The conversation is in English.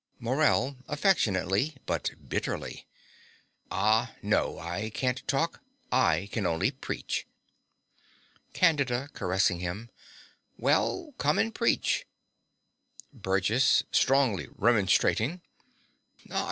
MORELL (affectionately but bitterly). Ah no: I can't talk. I can only preach. CANDIDA (caressing him). Well, come and preach. BURGESS (strongly remonstrating).